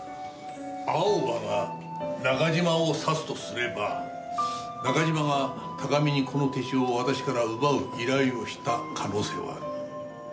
アオバが中島を指すとすれば中島が高見にこの手帳を私から奪う依頼をした可能性はある。